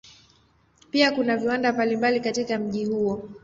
Pia kuna viwanda mbalimbali katika mji huo.